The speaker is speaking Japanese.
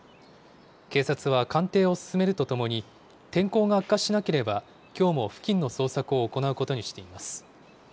警察は鑑定を進めるとともに、天候が悪化しなければ、きょうも付近の捜索を行うことにしています。